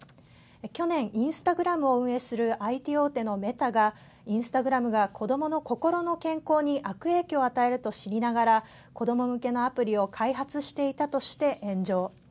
去年、インスタグラムを運営するＩＴ大手のメタがインスタグラムが子どもの心の健康に悪影響を与えると知りながら子ども向けのアプリを開発していたとして炎上。